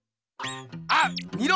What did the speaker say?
あっ見ろ！